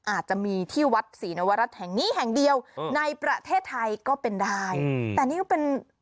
อาจจะมีที่วัดศรีนวรัฐแห่งนี้แห่งเดียวในประเทศไทยก็เป็นได้อืมแต่นี่ก็เป็น